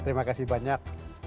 terima kasih banyak